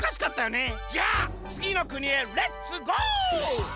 じゃあつぎのくにへレッツゴー！